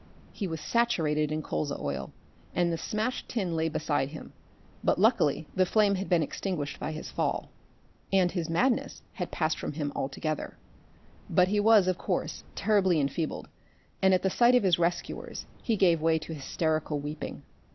He was saturated in colza oil, and the smashed tin lay beside him, but luckily the flame had been extinguished by his fall. And his madness had passed from him altogether. But he was, of course, terribly enfeebled, and at the sight of his rescuers he gave way to hysterical weeping.